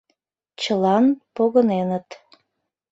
Чылан погыненыт.